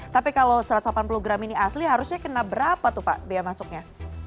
tapi kalau satu ratus delapan puluh gram ini asli harusnya kena berapa tuh pak bea masuknya